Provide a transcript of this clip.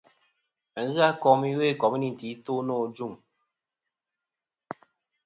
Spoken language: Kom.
Aghɨ a kom iwo i komunity i to nô ajuŋ.